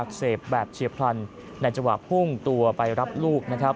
อักเสบแบบเชียบพลันในเวลาพุ่งตัวไปรับลูก